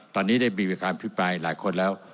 ตอนนี้ได้มีพิพันธ์ความพิพายหลายคนแล้ว